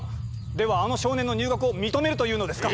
ではあの少年の入学を認めるというのですか？